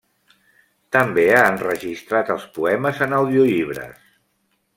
També ha enregistrat els poemes en audiollibres.